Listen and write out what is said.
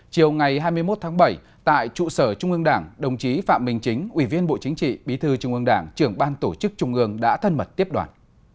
chiều ngày hai mươi một tháng bảy tại trụ sở trung ương đảng đồng chí phạm minh chính ủy viên bộ chính trị bí thư trung ương đảng trưởng ban tổ chức trung ương đã thân mật tiếp đoàn